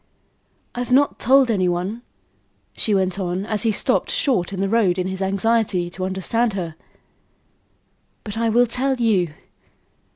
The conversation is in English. "I've not told any one," she went on, as he stopped short in the road, in his anxiety to understand her. "But I will tell you.